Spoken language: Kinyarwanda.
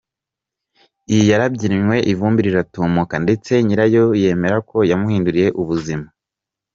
Iyi yarabyinwe ivumbi riratumuka ndetse nyirayo yemera ko yamuhinduriye ubuzima.